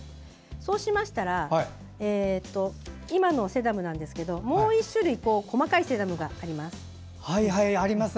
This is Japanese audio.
そうしましたら今のセダムなんですけどももう１種類細かいセダムがあります。